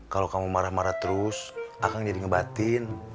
kalau kamu marah marah terus akan jadi ngebatin